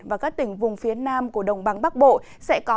và các tỉnh vùng phía nam của đồng bằng bắc bộ